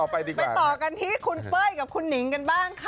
ไปดีกว่าไปต่อกันที่คุณเป้ยกับคุณหนิงกันบ้างค่ะ